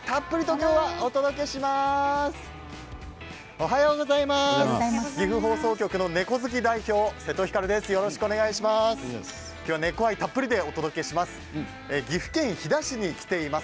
今日は猫愛たっぷりとお届けします。